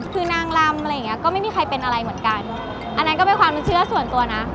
คือนางลำอะไรอย่างเงี้ก็ไม่มีใครเป็นอะไรเหมือนกันอันนั้นก็เป็นความเชื่อส่วนตัวนะ